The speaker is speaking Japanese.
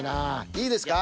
いいですか？